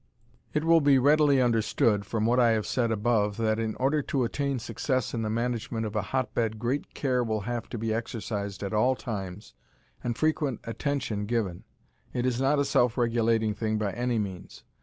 It will be readily understood from what I have said above that in order to attain success in the management of a hotbed great care will have to be exercised at all times and frequent attention given. It is not a self regulating thing by any means.